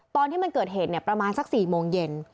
ตอนที่มันเกิดเหตุประมาณสัก๔โมงเย็น